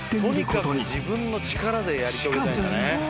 ［しかも］